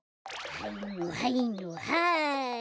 はいのはいのはい。